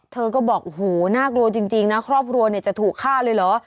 เธอก็บอกโอ้โหน่ากลัวจริงนะครอบครัวเนี่ยจะถูกฆ่าเลยเหรอ